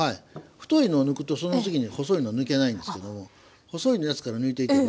太いのを抜くとその次に細いのは抜けないんですけども細いのやつから抜いていけば。